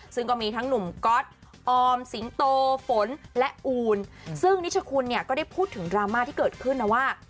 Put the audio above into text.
ซึ่งก็มีทั้งหนุ่มก๊อตออมสิงโตฝนและอูนซึ่งนิชคุณเนี่ยก็ได้พูดถึงดราม่าที่เกิดขึ้นนะว่า